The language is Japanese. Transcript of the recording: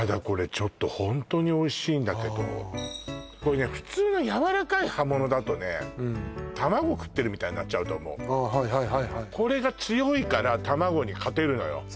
これちょっとホントにおいしいんだけどこれね普通のやわらかい葉物だとね卵食ってるみたいになっちゃうと思うこれが強いから卵に勝てるのよ